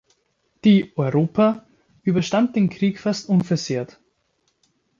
Die "Europa" überstand den Krieg fast unversehrt.